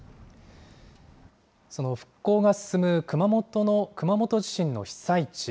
その復興が進む熊本地震の被災地。